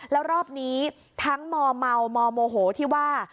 แล้วรอบนี้ทั้งมเมามโมโหที่ว่า